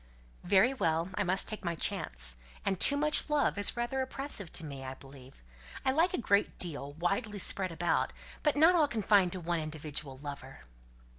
"Very well. I must take my chance. And too much love is rather oppressive to me, I believe. I like a great deal, widely spread about; not all confined to one individual lover."